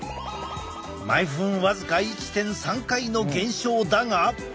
毎分僅か１．３回の減少だが。